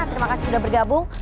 terima kasih sudah bergabung